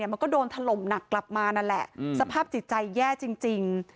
มันก็โดนถล่มหนักกลับมานั่นแหละสภาพจิตใจแย่จริง